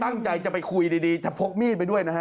ตั้งใจจะไปคุยดีจะพกมีดไปด้วยนะฮะ